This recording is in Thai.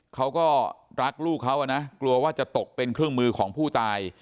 เขาก็รักลูกเขานะกลัวว่าจะตกเป็นเครื่องมือของผู้ตาย